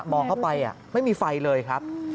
เข้าไปไม่มีไฟเลยครับ